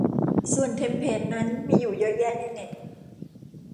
ส่วนเทมเพลตนั้นมีอยู่เยอะแยะในเน็ต